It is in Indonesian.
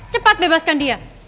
cepat bebaskan dia